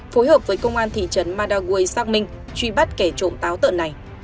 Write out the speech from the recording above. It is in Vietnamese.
phối hợp với công an thị trấn ma đào guồi xác minh truy bắt kẻ trộm táo tợn này